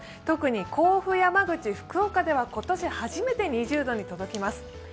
特に甲府、山口、福岡では今年初めて２０度に届きます。